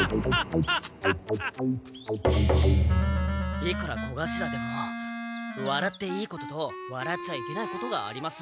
いくら小頭でもわらっていいこととわらっちゃいけないことがあります。